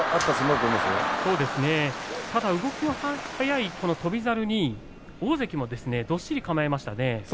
動きの速い翔猿に大関もどっしりと構えましたね。